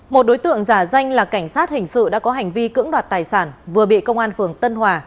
một đối tượng giả danh là cảnh sát hình sự đã có hành vi cưỡng đoạt tài sản vừa bị công an phường tân hòa